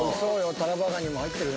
タラバガニも入ってるね。